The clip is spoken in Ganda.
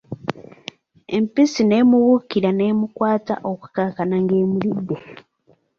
Empisi n'emubuukira n'emukwaata okukakkana nga emulidde.